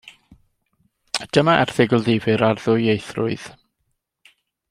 Dyma erthygl ddifyr ar ddwyieithrwydd.